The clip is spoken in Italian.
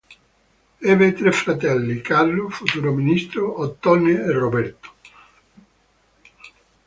Ebbe tre fratelli, Carlo, futuro ministro, Ottone e Roberto.